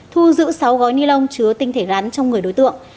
thu giữ sáu gói ni lông chứa tinh thể rắn trong người đối tượng